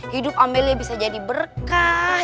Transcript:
hidup amelia bisa jadi berkah